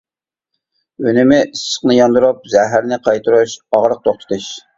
ئۈنۈمى : ئىسسىقنى ياندۇرۇپ، زەھەرنى قايتۇرۇش، ئاغرىق توختىتىش.